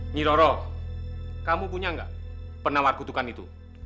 nyiroro kamu punya nggak penawar kutukan itu